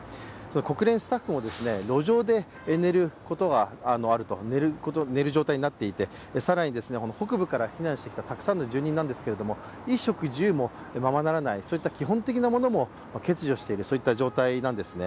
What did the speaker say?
国連スタッフも路上で寝る状態になっていて更に北部から避難してきたたくさんの住人なんですけど、衣食住もままならない、そういった基本的なものも欠如している状態なんですね。